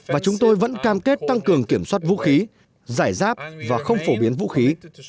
và chúng tôi vẫn cam kết tăng cường kiểm soát vũ khí giải giáp và không phổ biến vũ khí